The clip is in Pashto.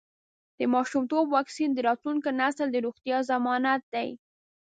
د ماشومتوب واکسین د راتلونکي نسل د روغتیا ضمانت دی.